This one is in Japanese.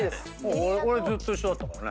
俺ずっと一緒だったからね。